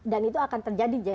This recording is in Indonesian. dan itu akan terjadi